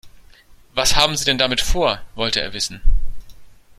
Was haben Sie denn damit vor?, wollte er wissen.